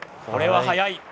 これは早い。